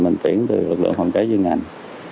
mình tuyển từ lực lượng phòng cháy chuyên ngành